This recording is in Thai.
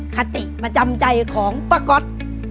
คติประจำใจของป้าก๊อต